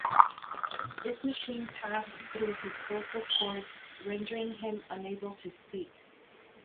This machine passed through his vocal cords rendering him unable to speak.